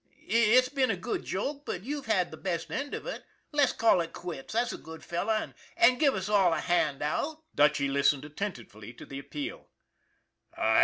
It's been a good joke, but you've had the best end of it. Let's call it quits, there's a good fellow, and and give us all a hand out." Dutchy listened attentively to the appeal.